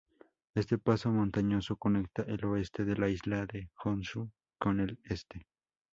Este paso montañoso conectaba el oeste de la isla de Honshu con el este.